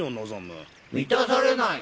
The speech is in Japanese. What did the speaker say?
満たされない。